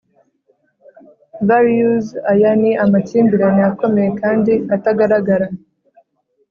Values aya ni amakimbirane akomeye kandi atagaragara